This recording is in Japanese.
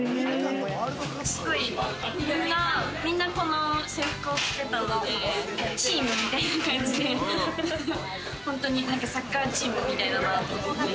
すごいみんな、この制服を着てるのでチームみたいな感じで、本当に何か、サッカーチームみたいだなと思って。